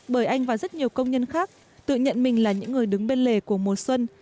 bởi anh và rất nhiều công nhân khác tự nhận mình là những người đứng bên lề của mùa xuân